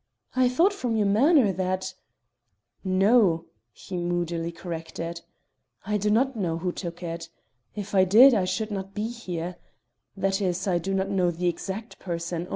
"I thought from your manner that " "No," he moodily corrected, "I do not know who took it. If I did, I should not be here. That is, I do not know the exact person.